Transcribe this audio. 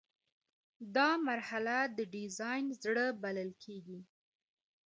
دا مرحله د ډیزاین زړه بلل کیږي.